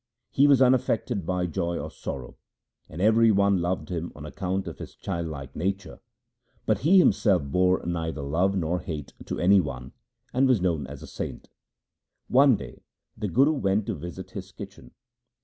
He was unaffected by joy or sorrow, and every one loved him on account of his child like nature ; but he himself bore neither love nor hate to any one, and was known as a saint. One day the Guru went to visit his kitchen.